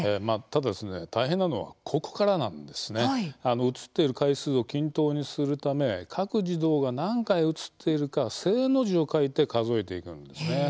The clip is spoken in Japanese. ただ、大変なのはここからなんですね。写っている回数を均等にするため各児童が何回写っているか正の字を書いて数えていくんです。